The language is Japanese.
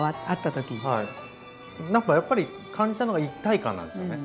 なんかやっぱり感じたのが一体感なんですよね。